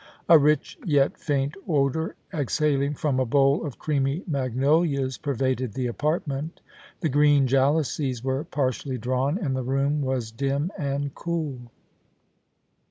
A rich yet faint odour exhaling from a bowl of creamy magno lias pervaded the apartment The green jalousies were partially drawn, and the room was dim and cool.